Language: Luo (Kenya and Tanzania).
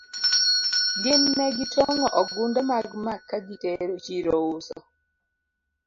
Gin ne gitong'o ogunde mag maka gitero chiro uso.